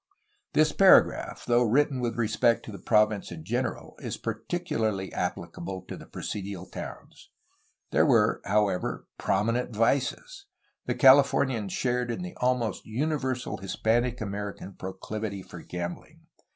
This paragraph, though written with respect to the province in general, is particularly applicable to the presidial towns. There were, however, prominent vices. The Californians shared in the almost universal Hispanic American proclivity for gambling.